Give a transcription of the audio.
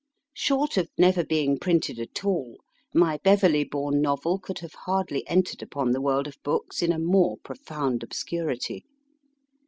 Short of never being printed at all, my Beverley born novel could have hardly entered upon the world of books in a more profound obscurity.